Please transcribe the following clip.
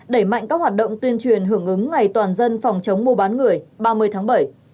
đẩy mạnh các hoạt động tuyên truyền hưởng ứng ngày toàn dân phòng chống mua bán người ba mươi tháng bảy